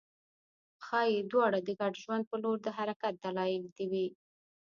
ښايي دواړه د ګډ ژوند په لور د حرکت دلایل وي